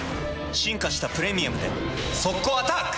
進化した「プレミアム」で速攻アタック！